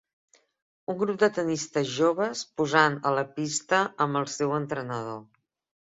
Un grup de tennistes joves posant a la pista amb el seu entrenador.